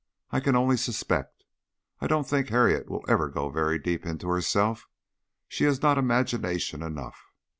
I can only suspect. I don't think Harriet will ever go very deep into herself; she has not imagination enough.